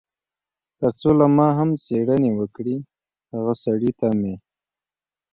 تر څو له ما هم څېړنې وکړي، هغه سړي ته مې.